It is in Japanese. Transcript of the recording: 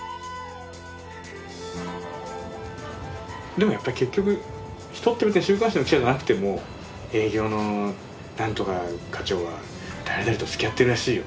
でもやっぱり結局人って週刊誌の記者じゃなくても営業の何とか課長は誰々とつきあってるらしいよ。